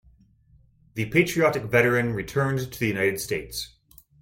The patriotic veteran returned to the United States.